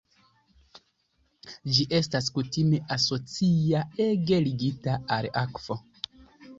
Ĝi estas kutime asocia ege ligita al akvo.